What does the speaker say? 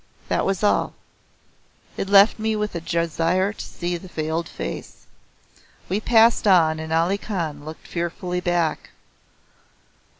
That was all. It left me with a desire to see the veiled face. We passed on and Ali Khan looked fearfully back.